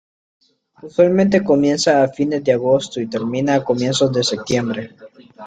Usualmente comienza a fines de agosto y termina a comienzos de septiembre.